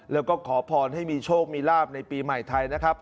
แล้วก็ขอพรให้มีโชคมีลาบในปีใหม่ไทยนะครับ